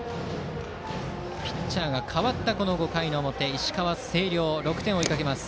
ピッチャーが代わった５回表の石川・星稜が６点を追いかけます。